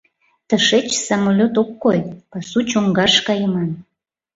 Тышеч самолёт ок кой, пасу чоҥгаш кайыман.